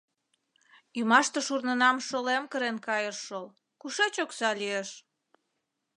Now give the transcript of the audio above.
Ӱмаште шурнынам шолем кырен кайыш шол, кушеч окса лиеш?